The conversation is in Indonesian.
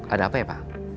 ada apa ya pak